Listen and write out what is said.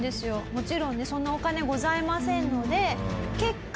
もちろんねそんなお金ございませんので結果